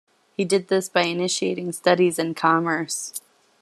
He did this by initiating studies in commerce.